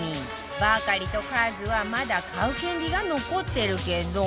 バカリとカズはまだ買う権利が残ってるけど